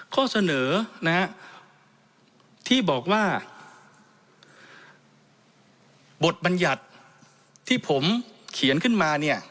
ข้อเสนอนะฮะที่บอกว่าบทบัญญัติที่ผมเขียนขึ้นมาเนี่ย